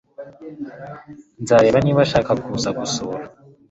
Nzareba niba ashaka kuza gusura.